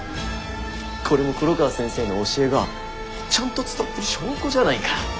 これも黒川先生の教えがちゃんと伝わってる証拠じゃないか。